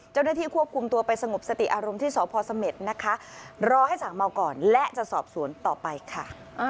เจ้าหน้าที่ควบคุมตัวไปสงบสติอารมณ์ที่สพสเม็ดนะคะรอให้สั่งเมาก่อนและจะสอบสวนต่อไปค่ะ